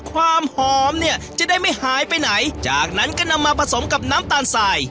ความหอมเนี่ยจะได้ไม่หายไปไหนจากนั้นก็นำมาผสมกับน้ำตาลสาย